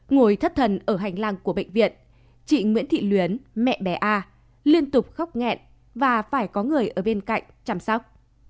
ngồi thất thần ở hành lang của bệnh viện chị nguyễn thị luyến mẹ bé a liên tục khóc nghẹn và phải có người ở bên cạnh chăm sóc